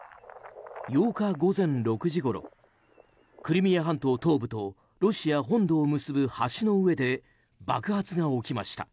８日午前６時ごろクリミア半島東部とロシア本土を結ぶ橋の上で爆発が起きました。